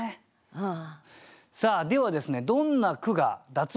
うん！